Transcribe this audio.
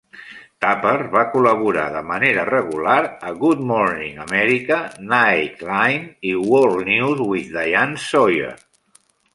Tapper va col·laborar de manera regular a "Good Morning America", "Nightline", i "World News with Diane Sawyer".